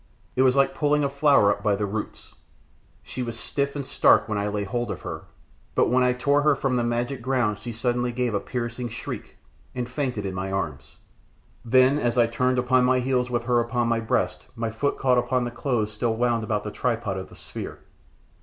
It was like pulling a flower up by the roots. She was stiff and stark when I lay hold of her, but when I tore her from the magic ground she suddenly gave a piercing shriek, and fainted in my arms. Then as I turned upon my heels with her upon my breast my foot caught upon the cloths still wound about the tripod of the sphere.